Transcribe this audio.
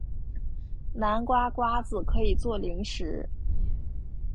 南瓜瓜子可以做零食。